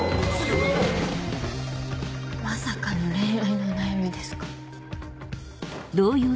まさかの恋愛のお悩みですか。